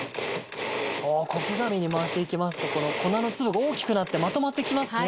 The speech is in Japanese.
お小刻みに回していきますとこの粉の粒が大きくなってまとまってきますね。